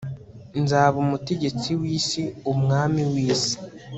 Nzaba umutegetsi wisi umwami wisi